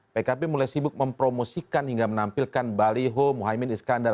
pkb mulai sibuk mempromosikan hingga menampilkan baliho muhaymin iskandar